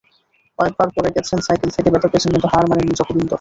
অনেকবার পড়ে গেছেন সাইকেল থেকে, ব্যথা পেয়েছেন, কিন্তু হার মানেননি জগবিন্দর।